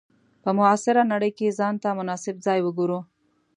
په معاصره نړۍ کې ځان ته مناسب ځای وګورو.